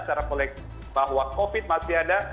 secara kolektif bahwa covid masih ada